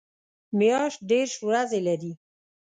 میاشت دېرش ورځې لري